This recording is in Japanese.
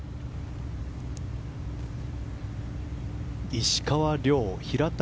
石川遼、平田